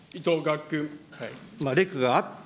レクがあった、